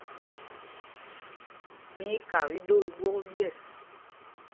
Mí í kaa iɗoo i ɓwôk ɓyɛ̂ɛs.